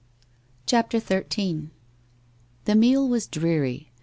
CHAPTER XIII The meal was dreary.